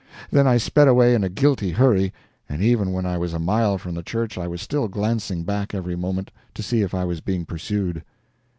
Then I sped away in a guilty hurry, and even when I was a mile from the church I was still glancing back, every moment, to see if I was being pursued.